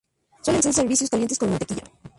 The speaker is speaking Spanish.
Suelen ser servidos calientes con mantequilla.